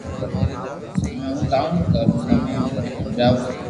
ھمي ھون ڪاو ڪارو تمي مني ھمجاو